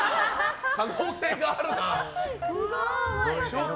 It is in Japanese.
可能性があるな。